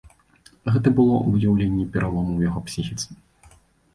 Гэта было выяўленне пералому ў яго псіхіцы.